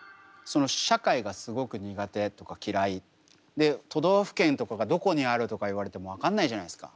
で都道府県とかがどこにある？とか言われても分かんないじゃないですか。